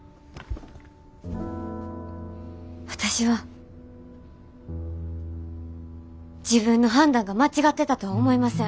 私は自分の判断が間違ってたとは思いません。